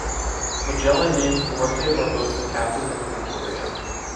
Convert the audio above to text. Magellan names Duarte Barbosa captain of the “Victoria”.